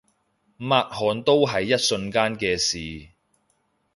抹汗都係一瞬間嘅事